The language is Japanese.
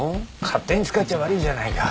勝手に使っちゃ悪いじゃないか。